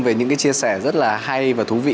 về những cái chia sẻ rất là hay và thú vị